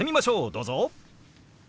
どうぞ。